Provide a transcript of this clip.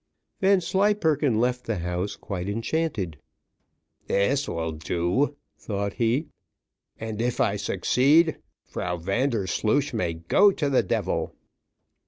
Vanslyperken left the house quite enchanted. "This will do," thought he, "and if I succeed, Frau Vandersloosh may go to the devil."